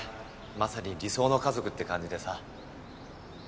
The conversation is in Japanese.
まさに理想の家族って感じでさ